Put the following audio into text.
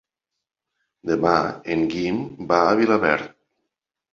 Demà en Guim va a Vilaverd.